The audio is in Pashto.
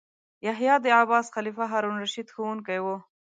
یحیی د عباسي خلیفه هارون الرشید ښوونکی و.